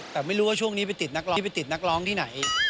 แต่ไม่รู้ว่าช่วงนี้ไปติดนักร้องที่ไหน